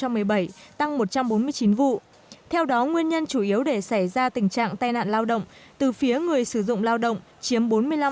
nâng một trăm bốn mươi chín vụ theo đó nguyên nhân chủ yếu để xảy ra tình trạng tai nạn lao động từ phía người sử dụng lao động chiếm bốn mươi năm bốn